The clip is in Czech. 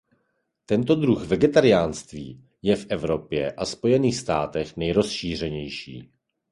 Tento druh vegetariánství je v Evropě a Spojených státech nejrozšířenější.